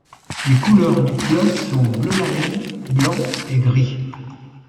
Les couleurs du club sont bleu marine, blanc et gris.